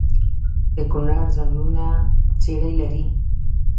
د کونړ ځنګلونه څیړۍ لري؟